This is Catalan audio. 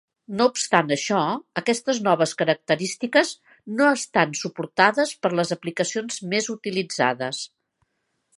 No obstant això, aquestes noves característiques no estan suportades per les aplicacions més utilitzades.